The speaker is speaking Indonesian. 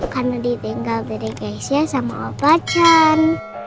karena ditinggal dari guysnya sama om pacan